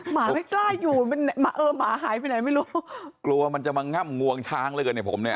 หมาไม่กล้าอยู่มันเออหมาหายไปไหนไม่รู้กลัวมันจะมาง่ำงวงช้างแล้วกันเนี่ยผมเนี่ย